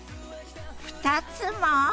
２つも？